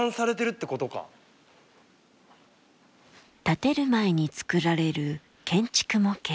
建てる前に作られる建築模型。